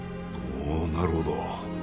おなるほど